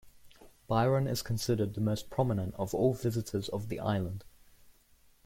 Byron is considered the most prominent of all visitors of the island.